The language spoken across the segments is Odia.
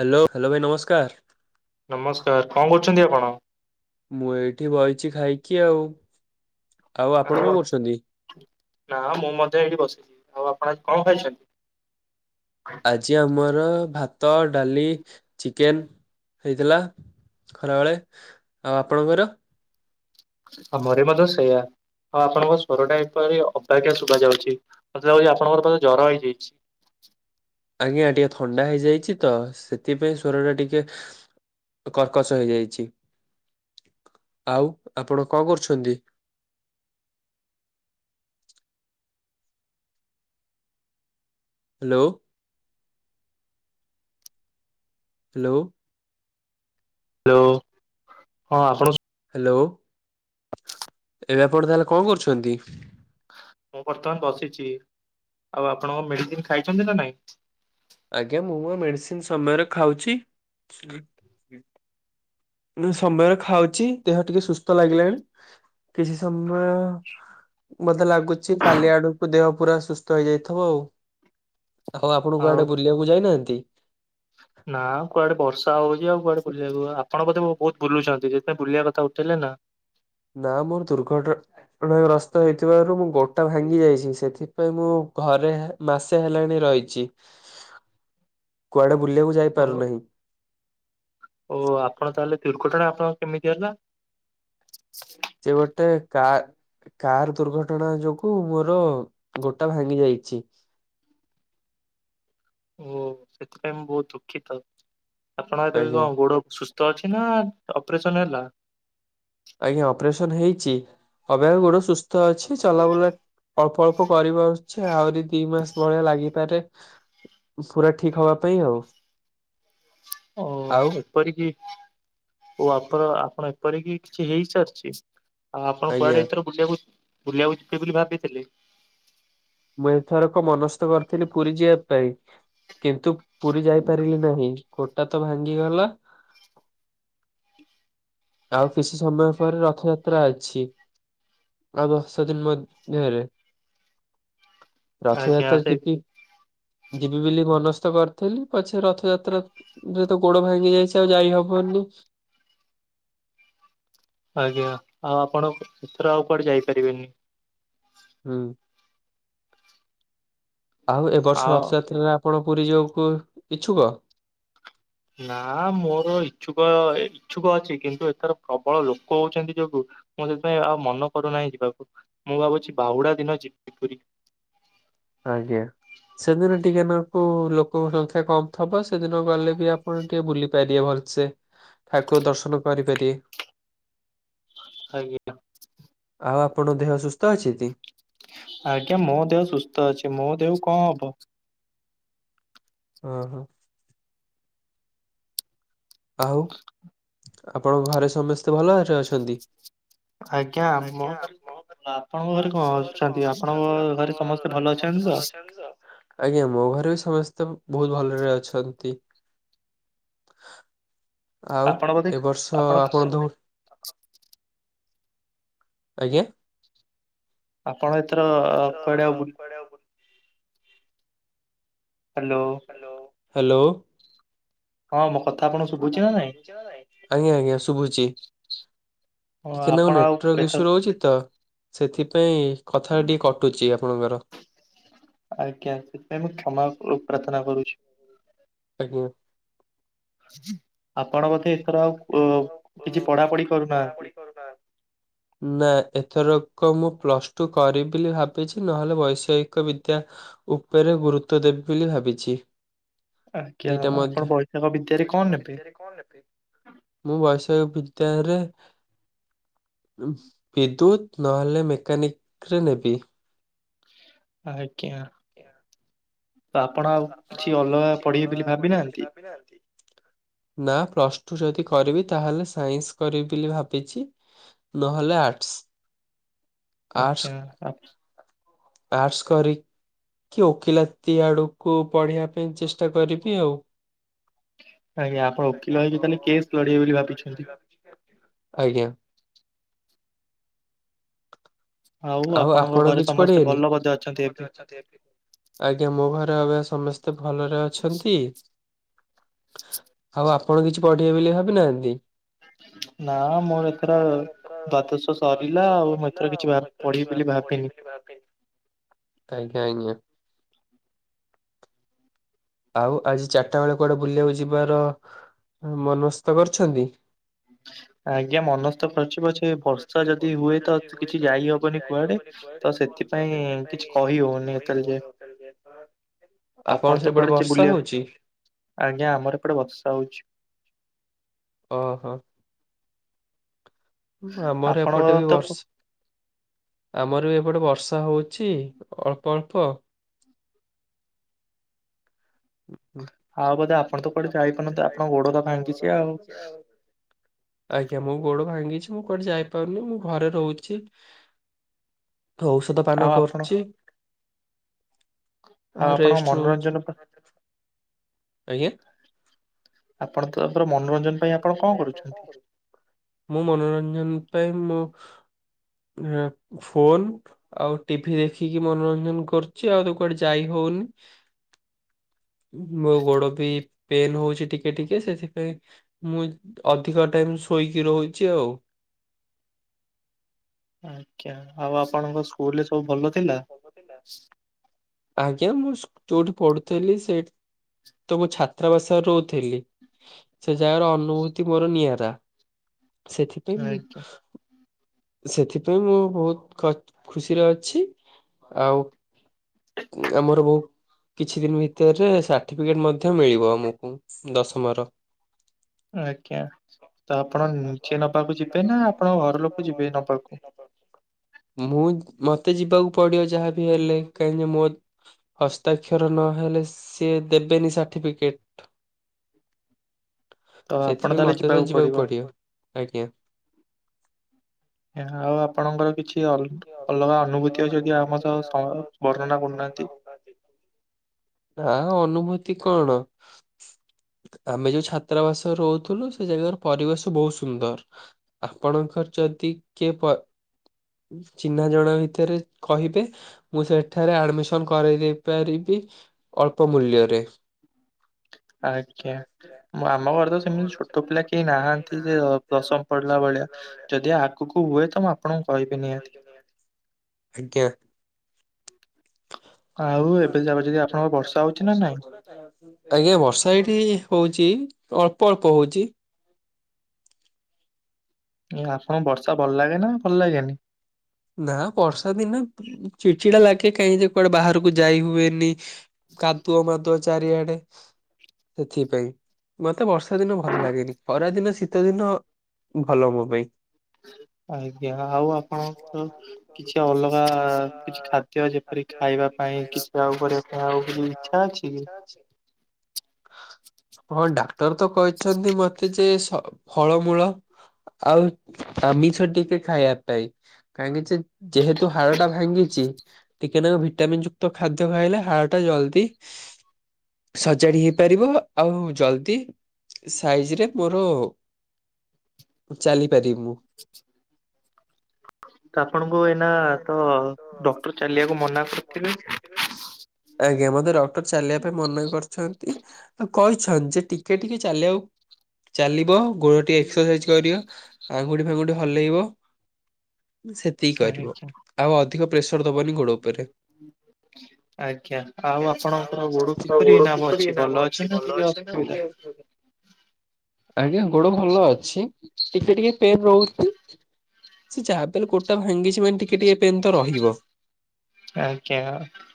ହାଲୋ ହାଲୋ ଭାଇ ନମସ୍କାର। ନମସ୍କାର କଣ କରୁଛନ୍ତି ଆପଣ? ମୁଁ ଏଠି ବିଇଚି ଖାଇକି ଆଉ। ଆଉ ଆପଣ କଣ ଆଉଅ କରୁଛନ୍ତି? ନା ମୁଁ ମଧ୍ୟ ଏଇଠି ବସିଛି ଆଉ ଆପଣ କଣ ଖାଇଛନ୍ତି? ଆଜି ଆମର ଭାତ ଡାଲି ଚିକେନ ହେଇଥିଲା। ଖରାବଳେ ଆପଣଙ୍କର? ଆମରି ମଧ୍ୟ ସେଇଆ। ହଁ ଆପଣଙ୍କ ସ୍ୱର ଟା ଏପରି ଅବାଗିୟା ଶୁଭା ଯାଉଛି ମତେ ଲାଗଛି ଆପଣକୁ ବୋଧେ‌ ଜର ହେଇଯାଇଛି। ଆଜ୍ଞା ଟିକେ ଥଣ୍ଡା ହେଇଯାଇଛି ତ ସେଥିପାଇଁ ସ୍ୱରଟା ଟିକେ କର୍କସ ହେଇଯାଇଛି ଆଉ ଆପଣ କଣ କରୁଛନ୍ତି? ହ୍ୟାଲୋ। ହ୍ୟାଲୋ। ହ୍ୟାଲୋ ହଁ ଆପଣଙ୍କୁ ସୁ ହାଲୋ। ଏବେ ଆପଣ ତାହେଲେ କଣ କରୁଛନ୍ତି? ମୁଁ ବର୍ତ୍ତମାନ ବସିଛି। ଆଉ ଆପଣଙ୍କ ମେଡିସିନ ଖାଇଛନ୍ତି ନା ନାଇଁ? ଆଜ୍ଞା ମୁଁ ମୋ ମେଡିସିନ ସମୟରେ ଖାଉଛି। ସମୟରେ ଖାଉଛି ଦେହ ଟିକେ ସୁସ୍ଥ ଲାଗିଲାଣି କିଛି ସମୟ ବୋଧେ ଲାଗୁଛି କାଲି ଆଡକୁ ଦେହ ପୁରା ସୁସ୍ଥ ହେଇଯାଇଥିବ ଆଉ। ହଉ ଆପଣ ଆଉ କୁଆଡେ ବୁଲିବାକୁ ଯାଇନାହାନ୍ତି? ନା କୁଆଡେ ବର୍ଷା ହଉଛି ଆଉ କୁଆଡେ ବୁଲିବାକୁ ଆପଣ ବୋଧେ ବହୁତ ବୁଲୁଛନ୍ତି ସେଥି ପାଇଁ ବୁଲିବା କଥା ଉଠେଇଲେ ନା? ନା ମୋର ଦୁର୍ଘଟ ଗସ୍ତ ହେଇଥିବାରୁ ମୁଁ ଗୋଡଟା ଭାଙ୍ଗି ଯାଇଛି ସେଥିପାଇଁ ମୁଁ ଘରେ ମାସେ ହେଲାଣି ରହିଛି। ହ [unintelligible] କୁଆଡେ ବୁଲିବାକୁ ଯାଇ ପାରୁନାହିଁ। ଓ ଆପଣ ତାହେଲେ ଦୁର୍ଘଟଣା ଆପଣଙ୍କ କେମିତି ହେଲା? ସେ ଗୋଟେ କା କାର ଦୁର୍ଘଟଣା ଯୋଗୁ ମୋର ଗୋଡ଼ଟା ଭାଙ୍ଗି ଯାଇଛି। ଓ ସେଥିପାଇଁ ମୁଁ ବହୁତ ଦୁଃଖିତ ଆପଣ ଏବେ ଆଜ୍ଞା କଣ ଗୋଡ ସୁସ୍ ସ୍ଥ ଅଛି ନା ଅପରେସନ ହେଲା? ଆଜ୍ଞା ଅପରେସନ ହେଇଛି। ଅବିକା ଗୋଡ଼ ସୁସ୍ଥ ଅଛି ଚଲାବୁଲା ଅଳ୍ପ ଅଳ୍ପ କରିପାରୁଛି ଆହୁରି ଦି ମାସ ଭଳିଆ ଲାଗିପାରେ ପୁରା ଠିକ ହବା ପାଇଁ ଆଉ। ଓ ଆଉ ଏପରିକି ଓ ଆପର ଆପଣ ଏପରିକି କିଛି ହେଇସାରଛି? ଆଉ ଆପଣ ଆଜ୍ଞା କୁଆଡେ ଏଥର ବୁଲିବାକୁ ବୁଲିବାକୁ ଯିବେ ବୋଲି ଭାବିଥିଲେ? ମୁଁ ଏଥରକ ମନସ୍ଥ କରିଥିଲି ପୁରୀ ଯିବା ପାଇଁ କିନ୍ତୁ ପୁରୀ ଯାଇପାରିଲି ନାହିଁ ଗୋଡ଼ଟା ତ ଭାଙ୍ଗିଗଲା ଆଉ କିଛି ସମୟ ପରେ ରଥଯାତ୍ରା ଅଛି। ଆଉ ଦଶ ଦିନ ମଧ୍ୟଧ୍ୟ ରେ। ଆଜ୍ଞା ରଥଯାତ୍ରା ସେ ଯିବି ଯିବି ବୋଲି ମନସ୍ଥ କରିଥିଲି ପଛେ ରଥଯାତ୍ରା ଯେ ତ ଗୋଡ ଭାଙ୍ଗି ଯାଇଛି ଆଉ ଯାଇ ହବନି ଆଜ୍ଞା ଆଉ ଆପଣ ଏଥର ଆଉ କୁଆଡେ ଯାଇପାରିବେନି? ହୁଁ। ଆଉ ଏ ବର୍ଷ ଆଉ ରଥଯାତ୍ରାରେ ଆପଣ ପୁରୀ ଯିବାକୁ ଇଚ୍ଛୁକ? ନା ମୋର ଇଚ୍ଛୁକ ଇଚ୍ଛୁକ ଅଛି କିନ୍ତୁ ଏଥର ପ୍ରବଳ ଲୋକ ହଉଛନ୍ତି ଯୋଗୁ ମୁଁ ସେଥିପାଇଁ ଆଉ ମନ କରୁନାହିଁ ଯିବାକୁ ମୁଁ ଭାବୁଛି ବାହୁଡା ଦିନ ଯିବି ପୁରୀ। ଆଜ୍ଞା। ସେଦିନ ଟିକେ ନାକୁ ଲୋକଙ୍କ ସଂଖ୍ୟା କମ ଥିବ ସେଦିନ ଗଲେ ବି ଆପଣ ଟିକେ ବୁଲି ପାରିବେ ଭଲ ସେ ଠାକୁର ଦର୍ଶନ କରିପାରିବେ ଆଜ୍ଞା। ଆଉ ଆପଣ ଦେହ ସୁସ୍ଥ ଅଛି ତି? ଆଜ୍ଞା ମୋ ଦେହ ସୁସ୍ଥ ଅଛି ମୋ ଦେହକୁ କଣ ହବ? ଅ ହଁ। ଆଉ ଆପଣଙ୍କ ଘରେ ସମସ୍ତେ ଭଲରେ ଅଛନ୍ତି? ଆମ ଆଜ୍ଞା ଘରେ ଆପଣଙ୍କ କଣ ଆପଣଙ୍କ ଘରେ ଅଛନ୍ତି କଣ ଆପଣଙ୍କ ଅଛନ୍ତି। ଘରେ ଆପଣଙ୍କ ସମସ୍ତେ ଭଲ ଘରେ ଅଛନ୍ତି ସମସ୍ତେ ତ? ଭଲ ଅଛନ୍ତି? ଅଛନ୍ତି ତ ଆଜ୍ଞା ମୋ ଘରେ ବି ସମସ୍ତେ ବହୁତ ଭଲରେ ଅଛନ୍ତି। ଆଉ ଆପଣ ବୋଧେ ଏ ବର୍ଷ ଆପଣ ଦ ଆଜ୍ଞା। ଆପଣ ଏଥର କୁଆଡେ ଆଉ ବୁଲ କୁଆଡେ ଆଉ କଣ? ହ୍ୟାଲୋ। Hello hello. ହଁ ମୋ କଥା ଆପଣଙ୍କୁ ଶୁଭୁଛି ନା ନାଇଁ? ଆଜ୍ଞା ଆଜ୍ଞା ଶୁଭୁଛି। ହଁ ଟିକେ ନାକୁ ଆପଣ ଆଉ ନେଟୱାର୍କ ଏଥର ଇସୁ ରହୁଚି ତ। ସେଥିପାଇଁ କଥାଟା ଟିକେ କଟୁଚି ଆପଣଙ୍କର। ଆଜ୍ଞା ସେଥିପାଇଁ ମୁଁ କ୍ଷମା ଉ ଓ ପ୍ରାର୍ଥନା କରୁଛି। ଆଜ୍ଞା। ଆପଣ ବୋଧେ ଏଥର ଆଉ ଉ କିଛି ପଢାପଢି ପଢାପଢି କରୁନାହାନ୍ତି? କରୁନାହାନ୍ତି। ନା ଏଥରକ ମୁଁ ପ୍ଲସଟୁ କରିବି ବୋଲି ଭାବିଚି ନହେଲେ ବୈଷୟିକ ବିଦ୍ୟା ଉପରେ ଗୁରୁତ୍ୱ ଦେବି ବୋଲି ଭାବିଛି। ଆଜ୍ଞା ଦିଟା ଆପଣ ମଧ୍ୟ ବୈଷୟିକ ବିଦ୍ୟାରେ କଣ ନେବେ? ମୁଁ ବୈଷୟିକ ବିଦ୍ୟାୟରେ ଉଁ ବିଦ୍ୟୁତ୍ ନହେଲେ ମେକାନିକରେ ନେବି। ଆଜ୍ଞା। ଆପଣ ତ ଆପଣ ଆଉ କିଛି ଅଲଗା ପଢିବେ ବୋଲି ଭାବିନାହାନ୍ତି। ବି ନାହାନ୍ତି। ନା ପ୍ଲସ୍ ଟୁ ଯଦି କରିବି ତାହେଲେ ସାଇନ୍ସ କରିବି ବିଲି ଭାବିଛି। ନହେଲେ ଆର୍ଟ୍ସ୍। ଆଜ୍ଞା ଆପ୍ ଆର୍ଟସ୍ କରିକି ଓକିଲାତି ଆଡକୁ ପଢିବା ପାଇଁ ଚେଷ୍ଟା କରିବି ଆଉ। ଆଜ୍ଞା ଆପଣ ଓକିଲ ହେଇକି ତାହେଲି କେସ୍ ଲଢିବେ ବୋଲି ଭାବିଛନ୍ତି। ଆଜ୍ଞା। ଆଉ ଆପଣଙ୍କ ଆପଣ ଘରେ କିଛି ସମସ୍ତେ ପଢିବେନି? ଭଲ ବୋଧେ ଅଛନ୍ତି ଏବେ? ଆଜ୍ଞା ମୋ ଘରେ ଏବିକା ସମେସ୍ତେ ଭଲରେ ଅଛନ୍ତି। ଆଉ ଆପଣ କିଛି ପଢିବେ ବୋଲି ଭାବିନାହାନ୍ତି? ନା ମୋର ଏଥର ମୋ ଯାତ୍ରା ଦ୍ଵାଦଶ ସରିଲା ତ ଆଉ ମୁଁ ସରିଲା ଏଥର ଆଉ କିଛି ଭା ପଢିବି ବୋଲି ଭାବିନି। ଆଜ୍ଞା ଆଜ୍ଞା। ଆଉ ଆଜି ଚାରଟା ବେଳେ କୁଆଡେ ବୁଲିବାକୁ ଯିବାର ଏ ମନସ୍ଥ କରିଛନ୍ତି? ଆଜ୍ଞା ମନସ୍ତ କରିଛି ପଛେ ବର୍ଷା ଯଦି ହୁଏ ତ କିଛି ଯାଇହବନି କୁଆଡେ ତ ସେଥିପାଇଁ କିଛି କହିହୋଉନି ଏତୋଳ ଯାଏ। ଆପଣଙ୍କ ଆପଣ ତ ସେପଟେ କୁଆଡେ ଯି ବର୍ଷା ବୁଲିବା ହଉଛି? ଆଜ୍ଞା ଆମର ଏପଟେ ବର୍ଷା ହୋଉଛି। ଓହୋ। ଉଁ ଆମର ଏପଟେ ଆପଣଙ୍କର ବି ତ ବର୍ଷ୍ ଆମର ବି ଏପଟେ ବର୍ଷା ହୋଉଚି ଅଳ୍ପ ଅଳ୍ପ। ଉଁ ଆଉ ବୋଧେ ଆପଣ ତ କୁଆଡେ ଯାଇପାରୁନଥିବେ ଆପଣଙ୍କ ଗୋଡ ତ ଭାଙ୍ଗଛି ଆଉ। ଆଜ୍ଞା ମୋ ଗୋଡ ଭାଙ୍ଗିଚି ମୁଁ କୁଆଠି ଯାଇପାରୁନି ମୁଁ ଘରେ ରହୁଚି। ଔଷଧ ପାନ ଆଉ ଆପଣ କରୁଚି। ଆଉ ଆପଣଙ୍କ ରେଷ୍ଟ ନଉଛି ମନୋରଞ୍ଜନ ପା ଆଜ୍ଞା? ଆପଣ ତମର ମନୋରଞ୍ଜନ ପାଇଁ ଆ ମୁଁ ମନୋରଞ୍ଜନ ପାଇଁ ମୁଁ ଏ ଫୋନ୍ ଆଉ ଟିଭିି ଦେଖିକି ମନୋରଞ୍ଜନ କରୁଚି ଆଉ ତ କୁଆଡେ ଯାଇ ହୋଉନି। ମୋ ଗୋଡ ବି ପେନ୍ ହୋଉଚି ଟିକେ ଟିକେ ସେଥିପାଇଁ ମୁଁ ଅଧିକ ଟାଇମ ଶୋଇକି ରହୁଚି ଆଉ। ଆଜ୍ଞା ଆଉ ଆପଣଙ୍କ ସ୍କୁଲରେ ସବୁ ଭଲ ଥିଲା? ଆଜ୍ଞା ମୁଁ ସ୍ ଯୋଉଠି ପଢୁଥିଲି ସେଇଠି ତ ମୁଁ ଛାତ୍ରାବାସରେ ରହୁଥିଲି। ସେ ଜାଗାର ଅନୁଭୂତି ମୋର ନିଆରା। ସେଥିପାଇଁ ମୁଁ ଆଜ୍ଞା ସେଥିପାଇଁ ମୁଁ ବୋହୁତ କ ଖୁସିରେ ଅଛି। ଆଉ ଆମର ବୋଉ କିଛି ଦିନ ଭିତରେରେ ସାର୍ଟିଫିକେଟ ମଧ୍ୟ ମିଳିବ ଆମକୁ ଦଶମର। ଆଜ୍ଞା ତ ଆପଣ ନିଜେ ନବାକୁ ଯିବେ ନା ଆପଣ ଘର ଲୋକ ଯିବେ ନବାକୁ। ମୁଁ ମତେ ଯିବାକୁ ପଡିବ ଯାହାବି ହେଲେ କାହିଁକି ମୋ ହସ୍ତାକ୍ଷର ନହେଲେ ସିଏ ଦେବେନି ସାଠିପିକେଟ। ତ ଆପଣ ସେଥିପାଇଁ ତାହେଲେ ମତେ ତ ଯିବାକୁ ପଡିବ। ଆଜ୍ଞା। ଆଉ ଆପଣଙ୍କର କିଛି ଅ ଅଲଗା ଅନୁଭୂତି ଅଛି ଜଦି ଆମ ସହ ବର୍ଣ୍ଣନା କରୁନାହାନ୍ତି। ନା ଅନୁଭୂତି କଣ। ଆମେ ଯୋଉ ଛାତ୍ରାବାସରେ ରହୁଥିଲୁ ସେ ଜାଗାର ପରିବେଶ ବହୁତ ସୁନ୍ଦର। ଆପଣଙ୍କର ଯଦି କିଏ? ଚିହ୍ନା ଜଣା ଭିତରେ କହିବେ ମୁଁ ସେଠାରେ ଆଡମିସନ କରେଇ ଦେଇ ପାରିବି ଅଳ୍ପ ମୂଲ୍ୟରେ। ଆଜ୍ଞା ମ ଆମ ଘର ତ ସେମିତି ଛୋଟ ପିଲା କେହି ନାହାନ୍ତି ଯେ ଦଶମ ପଢିଲା ଭଳିଆ ଯଦି ଆଗକୁ ହୁଏତ ଆ ଆପଣଙ୍କୁ କହିବି ନିହାତି। ଆଜ୍ଞା। ଆଉ ଏବେ ଯ ଯଦି ଆପଣଙ୍କ ବର୍ଷା ହଉଚି ନା ନାଇଁ। କୁ ଆଜ୍ଞା ବର୍ଷା ଏଠି ହଉଚି ଅଳ୍ପ ଅଳ୍ପ ହଉଚି। ଆପଣଙ୍କୁ ବର୍ଷା ଭଲ ଲାଗେ ନା ଭଲ ଲାଗେନି। ନା ବର୍ଷା ଦିନେ ଚିଡ଼ଚିଡା ଲାଗେ କାହିଁକି ଯେ କୁଆଡେ ବାହାରକୁ ଯାଇ ହୁଏନି। କାଦୁଅ ମାଦୁଅ ଚାରିଆଡେ। ସେଥିପାଇଁ ମତେ ବର୍ଷା ଦିନ ଭଲ ଲାଗେନି ଖରାଦିନ ଶୀତ ଦିନ ଭଲ ମୋ ପାଇଁ। ଆଜ୍ଞା ଆଉ ଆପଣଙ୍କର କିଛି ଅଲଗା କିଛି ଖାଦ୍ୟ ଯେପରି ଖାଇବା ପାଇଁ କିଛି ଆଉ କରିବା ପାଇଁ ଆଉ କିଛି ଇଚ୍ଛା ଅଛି। କି? ଇଛା ଅଛି। ହଁ ଡାକ୍ତର ତ କହିଛନ୍ତି ମତେ ଯେ ସ ଫଳମୂଳ ଆଉ ଆମିଷ ଟିକେ ଖାଇବା ପାଇଁ। କାହିଁକି ଯେ ଯେହେତୁ ହାଡ ଟା ଭାଙ୍ଗିଚି। ଟିକେ ନାକୁ ଭିଟାମିନ୍ ଯୁକ୍ତ ଖାଦ୍ୟ ଖାଇଲେ ହାଡ଼ ଟା ଜଲଦି ସଜାଡି ହେଇପାରିବ ଆଉ ଜଲଦି ସାଇଜି ରେ ମୋର ଚାଲିପାରିବି ମୁଁ। ତ ଆପଣଙ୍କୁ ଏଇନା ତ ଡକ୍ଟର ଚାଲିବାକୁ ମନା କରିଥିବେ। ଆଜ୍ଞା ମତେ ଡକ୍ଟର ଚାଲିବା ପାଇଁ ମନା କରିଛଚନ୍ କହିଛନ୍ ଯେ ଟିକେ ଟିକେ ଚାଲିବାକୁ ଚାଲିବ ଗୋଡ଼ ଟିକେ ଏକ୍ସସାଇଜ କରିବ ଆଙ୍ଗୁଠି ଫାଙ୍ଗୁଠି ହଲେଇବ। ସେତିକି କରିବ ଆଜ୍ଞା। ଆଉ ଅଧିକ ପ୍ରେସର ଦବନି ଗୋଡ଼ ଉପରେ। ହୁଁ ଆଜ୍ଞା ଆଉ ଆପଣଙ୍କର ଗୋଡ କିପରି ନାମ ଅଛି ଭଲ ଅଛି ନା ଟିକେ ଅସୁବିଧା ହ ଆଜ୍ଞା ଗୋଡ ଭଲ ଅଛି ଟିକେ ଟିକେ ପେନ୍ ରହୁଛି। ସେ ଯାବିଲେ ଗୋଟା ଭାଙ୍ଗିଛି ମାନେ ଟିକେ ଟିକେ ପେନ୍ ତ ରହିବ ଆଜ୍ଞା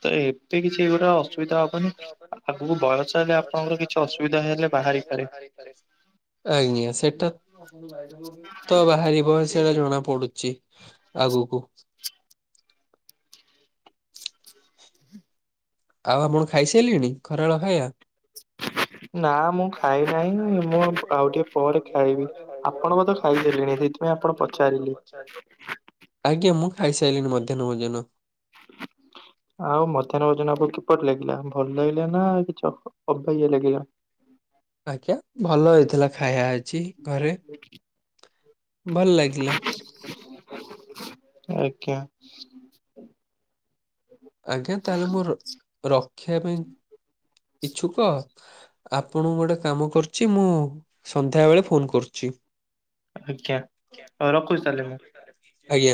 ତ ଏ ତେ କିଛି ଏଇଗୁଟା ଅସୁବିଧା ହବନି ଆଗକୁ ବୟସ ହେଲେ ଆପଣଙ୍କର କିଛି ଅସୁବିଧା ହେଲେ ବାହାରିପାରେ। ଆଜ୍ଞା ସେଟା ତ ବାହାରିବ ସେ ଟା ଜଣା ପଡୁଚି ଆଗକୁ। ଆଉ ଆପଣ ଖାଇସାଇଲେଣି ଖରାବେଳ ଖାଇବା। ନା ମୁଁ ଖାଇ ନାହିଁ ମୁଁ ଆଉ ଟିକେ ପରେ ଖାଇବି ଆପଣ ବୋଧେ ଖାଇସାଇଲେଣି? ମୁଇ ଆପଣ ପଚାରିଲି। ଆଜ୍ଞା ମୁଁ ଖାଇସାଇଲିନି ମଧ୍ୟାହ୍ନ ଭୋଜନ। ଆଉ ମଧ୍ୟାହ୍ନ ଭୋଜନ ଆପ କିପରି ଲାଗିଲା ଭଲ ଲାଗିଲା ନା କିଛି ଅବାଗିଆ ଲାଗିଲା? ଆଜ୍ଞା ଭଲ ହେଇଥିଲା ଖାଇବା ଆଜି ଘରେ ଭଲ ଲାଗିଲା। ଆଜ୍ଞା। ଆଜ୍ଞା ତାହେଲେ ମୁଁ ରଖିବା ପାଇଁ ଇ୍ଛୁକ। ଆପଣଙ୍କୁ ଗୋଟେ କାମ କରୁଛି ମୁଁ ସନ୍ଧ୍ୟାବେଳେ ଫୋନ୍ କରୁଛି। ଆଜ୍ଞା ରଖୁଛି ତାହେଲେ ମୁଁ। ଆଜ୍ଞା।